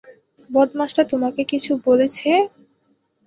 বদমাশটা তোমাকে কিছু বলেছে?